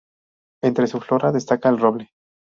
Entre su flora destaca el roble.